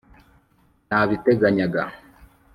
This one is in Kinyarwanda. Nabiteganyaga